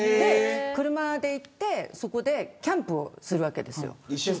車で行ってそこでキャンプをするわけです。